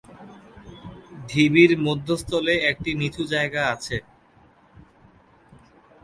ঢিবির মধ্যস্থলে একটি নিচু জায়গা আছে।